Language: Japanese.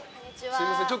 すいません